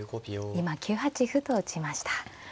今９八歩と打ちました。